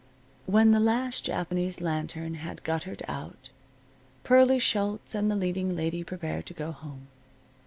When the last Japanese lantern had guttered out, Pearlie Schultz and the leading lady prepared to go home.